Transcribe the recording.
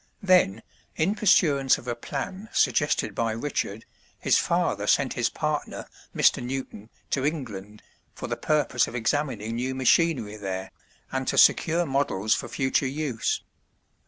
Then, in pursuance of a plan suggested by Richard, his father sent his partner, Mr. Newton, to England, for the purpose of examining new machinery there, and to secure models for future use.